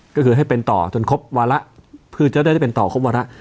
ก็คือให้เป็นต่อจนครบวาระเพื่อจะได้เป็นต่อครบวาระ